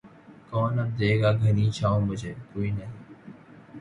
کون اب دے گا گھنی چھاؤں مُجھے، کوئی نہیں